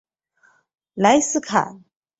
莱斯坎。